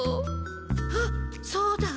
あっそうだ！